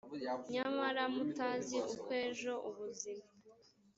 nyamara mutazi uko ejo ubuzima